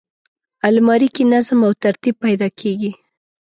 الماري کې نظم او ترتیب پیدا کېږي